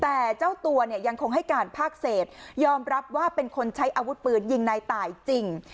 แต่เจ้าตัวเนี่ยยังคงให้การภาคเศษยอมรับว่าเป็นคนใช้อาวุธปืนยิงในตายจริง